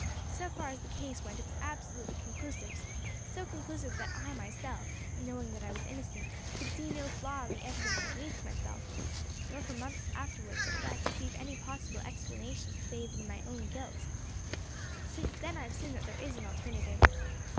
So far as the case went it was absolutely conclusive, so conclusive that I myself, knowing that I was innocent, could see no flaw in the evidence against myself, nor for months afterwards could I perceive any possible explanation save in my own guilt. Since then I have seen that there is an alternative.